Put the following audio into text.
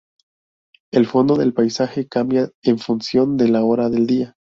El fondo del paisaje cambia en función de la hora del día.